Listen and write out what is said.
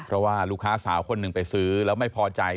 เพราะว่าลูกค้าสาวคนหนึ่งไปซื้อแล้วไม่พอใจ